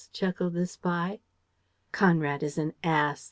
chuckled the spy. "Conrad is an ass!